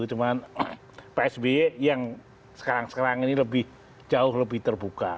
cuma pak sby yang sekarang sekarang ini lebih jauh lebih terbuka